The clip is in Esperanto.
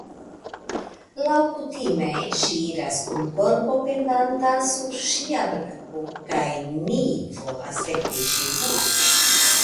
Laŭkutime ŝi iras kun korbo pendanta sur ŝia brako, kaj ni volas sekvi ŝin.